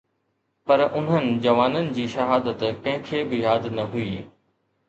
پر انهن جوانن جي شهادت ڪنهن کي به ياد نه هئي